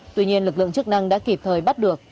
tuy nhiên lực lượng chức năng đã kịp thời bắt được